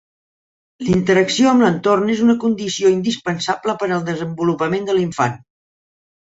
La interacció amb l'entorn és una condició indispensable per al desenvolupament de l'infant.